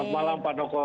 selamat malam pak noko